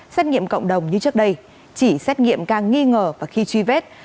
xét nghiệm cộng đồng như trước đây chỉ xét nghiệm ca nghi ngờ và khi truy vết